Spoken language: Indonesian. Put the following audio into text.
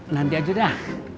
nanti aja dah